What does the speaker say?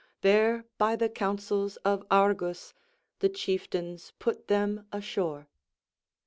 There by the counsels of Argus the chieftains put them ashore.